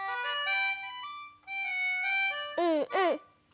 うんうん。